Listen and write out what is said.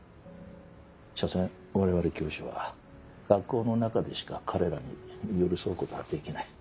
しょせん我々教師は学校の中でしか彼らに寄り添うことはできない。